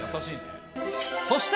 そして。